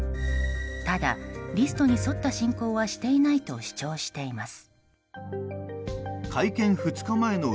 ただ、リストに沿った進行はしていないと主張しています。